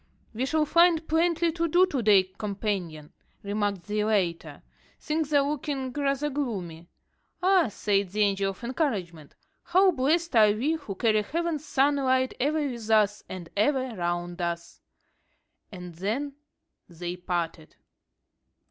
"We shall find plenty to do to day, companion," remarked the latter; "things are looking rather gloomy." "Ah!" said the Angel of Encouragement, "how blessed are we who carry heaven's sunlight ever with us, and ever round us!" And then they parted.